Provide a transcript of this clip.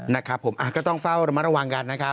นะครับผมก็ต้องเฝ้าระมัดระวังกันนะครับ